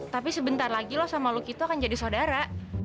tapi sebentar lagi lu sama lucky tuh akan jadi saudara